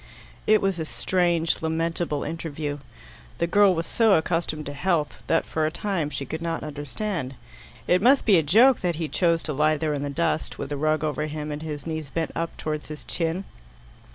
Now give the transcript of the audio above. It was a strange lamentable interview. The girl was so accustomed to health, that for a time she could not understand. It must be a joke that he chose to lie there in the dust, with a rug over him and his knees bent up towards his chin.